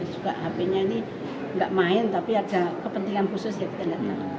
juga hp nya ini nggak main tapi ada kepentingan khusus ya kita nggak tahu